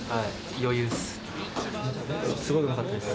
余裕っす。